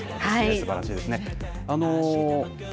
すばらしいですね。